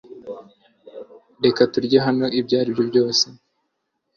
Reka turye hano ibyo ari byo byose